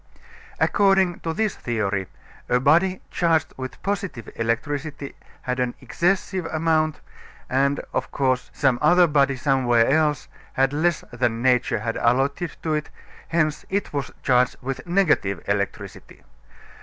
According to this theory, a body charged with positive electricity had an excessive amount, and, of course, some other body somewhere else had less than nature had allotted to it; hence it was charged with negative electricity.